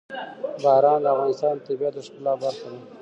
باران د افغانستان د طبیعت د ښکلا برخه ده.